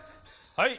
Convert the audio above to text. はい。